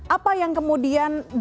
apa yang kemudian